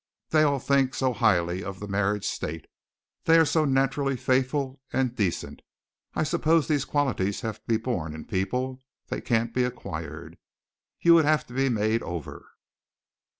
They all think so highly of the marriage state. They are so naturally faithful and decent. I suppose these qualities have to be born in people. They can't be acquired. You would have to be made over."